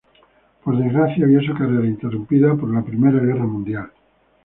Por desgracia vio su carrera interrumpida por la Primera Guerra Mundial.